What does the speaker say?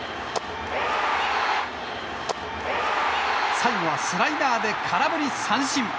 最後はスライダーで空振り三振。